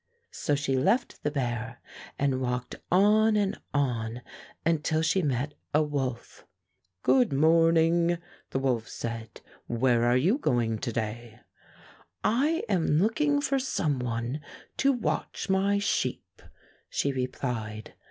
So she left the bear and walked on and on until she met a wolf. "Good morning," the wolf said; "where are you going to day?" "I am looking for some one to watch my sheep," she replied.